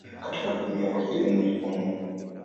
Katika familia yake elimu ilikuwa muhimu.